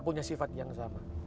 punya sifat yang sama